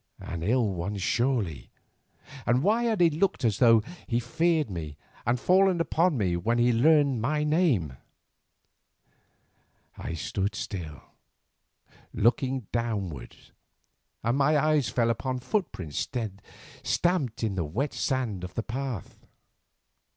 —an ill one surely—and why had he looked as though he feared me and fallen upon me when he learned my name? I stood still, looking downward, and my eyes fell upon footprints stamped in the wet sand of the path.